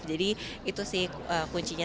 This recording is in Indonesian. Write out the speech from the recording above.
jadi itu sih kuncinya